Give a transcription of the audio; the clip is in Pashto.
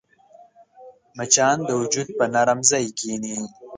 مچان د وجود پر نرم ځای کښېني